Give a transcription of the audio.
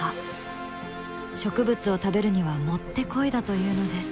植物を食べるにはもってこいだというのです。